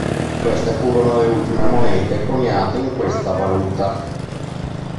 Queste furono le ultime monete coniate in questa valuta.